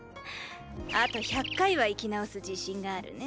あと１００回は生き直す自信があるね。